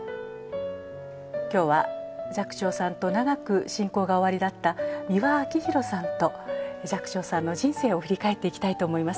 今日は寂聴さんと長く親交がおありだった美輪明宏さんと寂聴さんの人生を振り返っていきたいと思います。